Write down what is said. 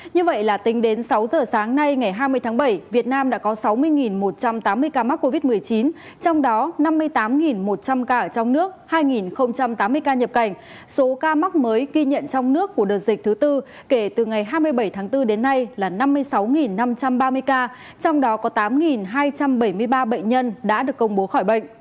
như vậy là tính đến sáu h sáng nay ngày hai mươi tháng bảy việt nam đã có sáu mươi một trăm tám mươi ca mắc covid một mươi chín trong đó năm mươi tám một trăm linh ca ở trong nước hai tám mươi ca nhập cảnh